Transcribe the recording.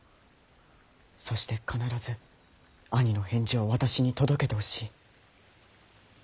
そして必ず兄の返事を私に届けてほしい。